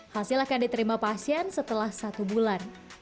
hasil akan diterima pasien setelah satu bulan